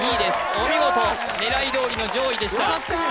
お見事狙いどおりの上位でしたよかった！